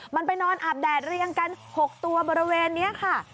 มันไปนอนอาบแดดเรียงกัน๖ตัวบริเวณนี้ค่ะ